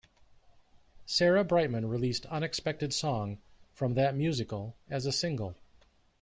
Sarah Brightman released "Unexpected Song", from that musical, as a single.